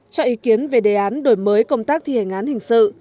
cho ý kiến về đề án đổi mới công tác thi hành án hình sự